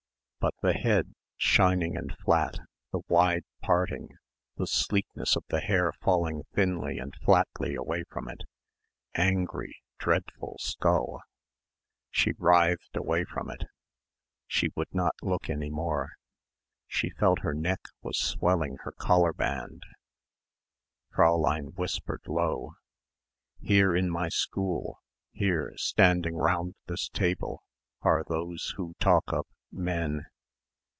But the head shining and flat, the wide parting, the sleekness of the hair falling thinly and flatly away from it angry, dreadful skull. She writhed away from it. She would not look any more. She felt her neck was swelling inside her collar band. Fräulein whispered low. "Here in my school, here standing round this table are those who talk of men.